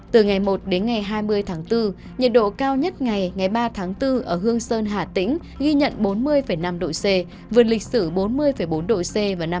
từ ngày một đến ngày hai mươi tháng bốn nhiệt độ cao nhất ngày ngày ba tháng bốn ở hương sơn hà tĩnh ghi nhận bốn mươi năm độ c vượt lịch sử bốn mươi bốn độ c vào năm hai nghìn hai mươi